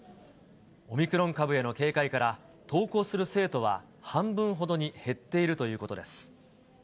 オミクロン株への警戒から、登校する生徒は半分ほどに減っているということです。